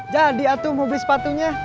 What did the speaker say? jadi aku mau beli sepatunya